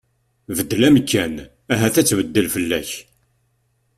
Beddel amkan ahat ad tbeddel fell-ak.